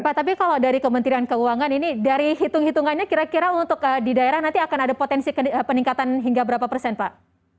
pak tapi kalau dari kementerian keuangan ini dari hitung hitungannya kira kira untuk di daerah nanti akan ada potensi peningkatan hingga berapa persen pak